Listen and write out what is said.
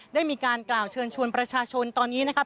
ได้มีการกล่าวเชิญชวนประชาชนตอนนี้นะครับ